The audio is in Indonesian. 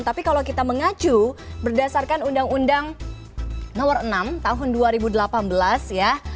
tapi kalau kita mengacu berdasarkan undang undang nomor enam tahun dua ribu delapan belas ya